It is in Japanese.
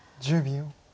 １０秒。